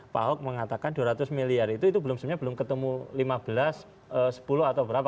pak hock mengatakan dua ratus miliar itu belum ketemu lima belas sepuluh atau berapa